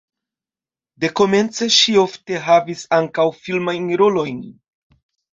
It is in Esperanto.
Dekomence ŝi ofte havis ankaŭ filmajn rolojn.